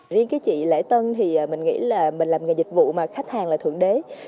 riêng cái chị lễ tân thì mình nghĩ là mình làm nghề dịch vụ mà khách hàng là thượng đế